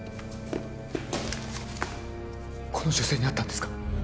この女性に会ったんですか？